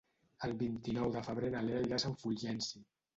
El vint-i-nou de febrer na Lea irà a Sant Fulgenci.